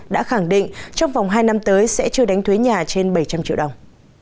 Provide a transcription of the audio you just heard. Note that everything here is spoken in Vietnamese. đã khẳng định trong vòng hai năm tới sẽ chưa đánh thuế nhà trên bảy trăm linh triệu đồng